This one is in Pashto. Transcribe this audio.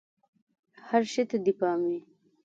هر شي ته دې پام وي!